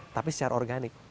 tapi secara organik